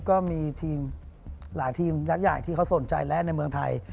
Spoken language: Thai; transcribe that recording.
ก็มีหลายทีมยากที่เขาสนใจและในเมืองไทย